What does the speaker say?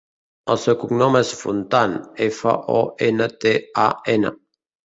El seu cognom és Fontan: efa, o, ena, te, a, ena.